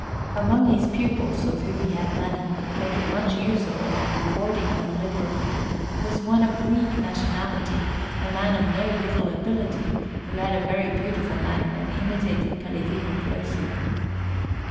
Among his pupils, of whom he had many, making much use of them and rewarding them liberally, was one of Greek nationality, a man of no little ability, who had a very beautiful manner and imitated Pellegrino closely.